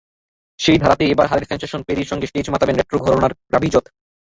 সেই ধারাতেই এবার হালের সেনসেশন পেরির সঙ্গে স্টেজ মাতাবেন রেট্রো ঘরানার ক্রাভিৎজ।